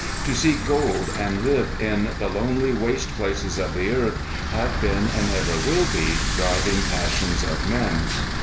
To seek gold and to live in the lonely waste places of the earth have been and ever will be driving passions of men.